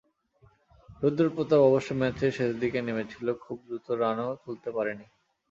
রুদ্র প্রতাপ অবশ্য ম্যাচের শেষ দিকে নেমেছিল, খুব দ্রুত রানও তুলতে পারেনি।